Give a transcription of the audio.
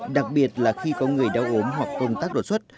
đặc biệt là khi có người đau ốm hoặc công tác đột xuất